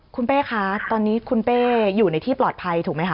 ของตอนนี้คุณเป้อยู่ในที่ปลอดภัยถูกมั้ยฮะ